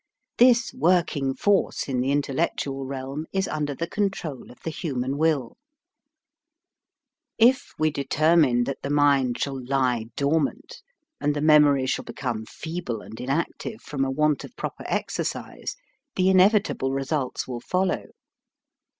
This working force in the intellectual realm is under the control of the hu man will. If we determine that the mind shall lie dormant and the mem ory shall become feeble and inactive from a want of proper exercise, the in evitable results will follow.